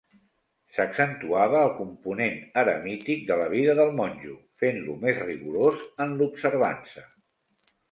S'accentuava el component eremític de la vida del monjo, fent-lo més rigorós en l'observança.